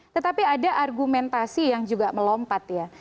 tetapi ada argumentasi yang juga melompat ya